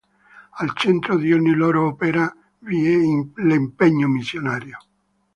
Al centro di ogni loro opera vi è l'impegno missionario.